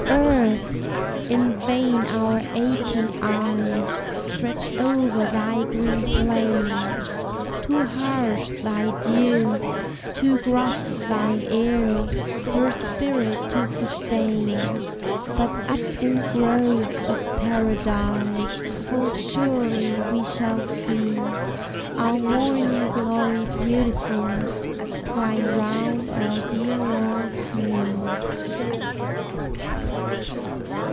Earth! in vain our aching eyes Stretch over thy green plain! Too harsh thy dews, too gross thine air, Her spirit to sustain; But up in groves of Paradise Full surely we shall see Our morning glory beautiful Twine round our dear Lord's knee.